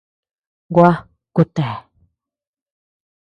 Gua, kutea.